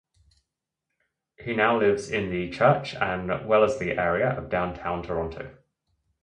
He now lives in the Church and Wellesley area of downtown Toronto.